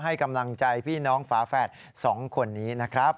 ให้กำลังใจพี่น้องฝาแฝด๒คนนี้นะครับ